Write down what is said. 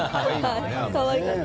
かわいかった。